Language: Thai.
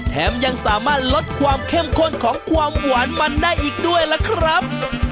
แถมยังสามารถลดความเข้มข้นของความหวานมันได้อีกด้วยล่ะครับ